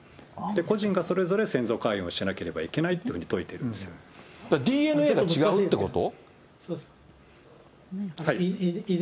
個人がそれぞれ、先祖解怨しなければいけないというふうに説いてＤＮＡが違うってこと？